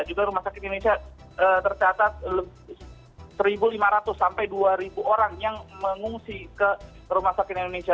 juga rumah sakit indonesia tercatat satu lima ratus sampai dua orang yang mengungsi ke rumah sakit indonesia